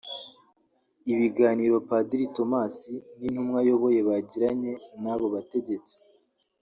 Ibiganiro Padiri Thomas n’intumwa ayoboye bagiranye n’abo bategetsi